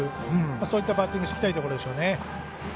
そういったバッティングしていきたいところでしょうね。